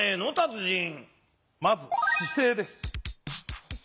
まず姿勢です。